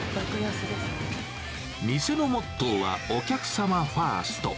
店のモットーはお客様ファースト。